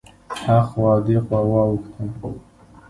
هخوا او دېخوا واوښته.